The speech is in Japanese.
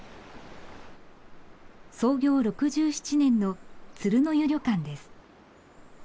創業６７年の鶴之湯旅館です。